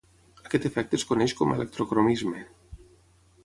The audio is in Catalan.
Aquest efecte es coneix com a electrocromisme.